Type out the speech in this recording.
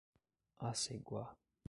Aceguá